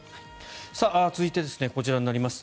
続いて、こちらになります。